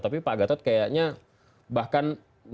tapi pak gatot kayaknya bahkan